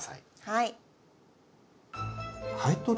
はい。